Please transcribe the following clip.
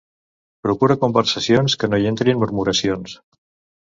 Procura conversacions que no hi entrin murmuracions.